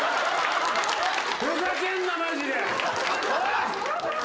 ふざけんなマジで！